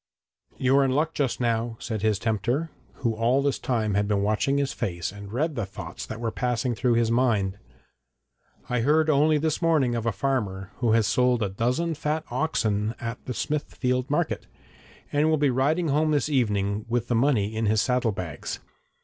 'You are in luck just now,' said his tempter, who all this time had been watching his face and read the thoughts that were passing through his mind. 'I heard only this morning of a farmer who has sold a dozen fat oxen at the Smithfield Market, and will be riding home this evening with the money in his saddle bags.